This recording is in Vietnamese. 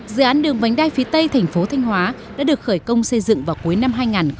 dự án đường vánh đai phía tây thành phố thanh hóa đã được khởi công xây dựng vào cuối năm hai nghìn một mươi